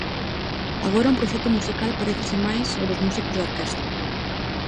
Agora un proxecto musical parécese máis ao dos músicos de orquestra.